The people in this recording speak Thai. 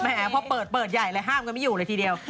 พอเปิดเปิดใหญ่เลยห้ามกันไม่อยู่เลยทีเดียว